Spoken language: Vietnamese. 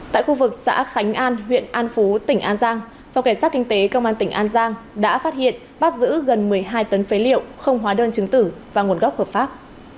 tại khu vực xã khánh an huyện an phú tỉnh an giang phòng cảnh sát kinh tế công an tỉnh an giang đã phát hiện bắt giữ gần một mươi hai tấn phế liệu không hóa đơn chứng tử và nguồn gốc hợp pháp